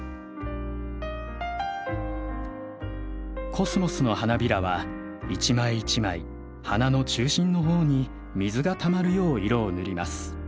コスモスの花びらは一枚一枚花の中心のほうに水がたまるよう色を塗ります。